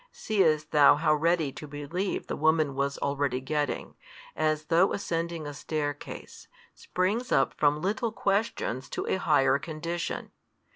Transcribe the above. Seest thou how ready to believe the woman was already getting, and as though ascending a staircase, springs up from little questions to a higher condition?